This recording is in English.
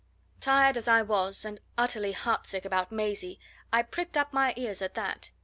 Tired as I was, and utterly heart sick about Maisie, I pricked up my ears at that.